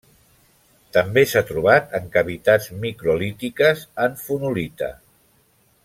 També s'ha trobat en cavitats microlítiques en fonolita.